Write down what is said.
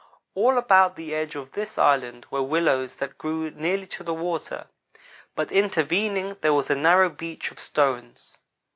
All about the edge of this island were willows that grew nearly to the water, but intervening there was a narrow beach of stones.